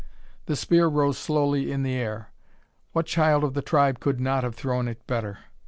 The spear rose slowly in the air. What child of the tribe could not have thrown it better!